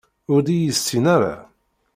Ur d-iyi-yessin ara?